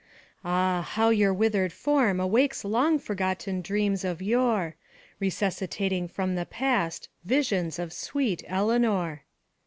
Ah, how your withered form awakes Long forgotten dreams of yore Resuscitating from the past Visions of sweet Eleanor!